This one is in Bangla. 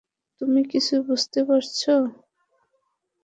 তুমি কিছু বুঝতে পারছ?